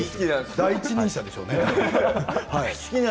第一人者でしょうね。